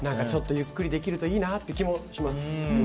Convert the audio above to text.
ちょっとゆっくりできるといいなっていう気もします。